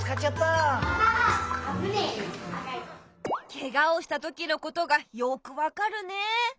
ケガをしたときのことがよく分かるね。